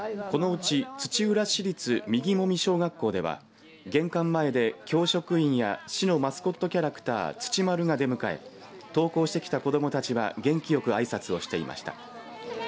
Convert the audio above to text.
このうち土浦市立右籾小学校では玄関前で教職員や市のマスコットキャラクターつちまるが出迎え登校してきた子どもたちは元気よくあいさつをしていました。